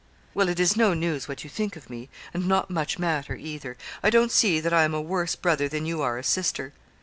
'Well, it is no news what you think of me, and not much matter, either. I don't see that I am a worse brother than you are a sister.'